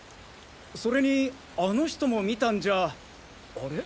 それにあの人も見たんじゃあれ？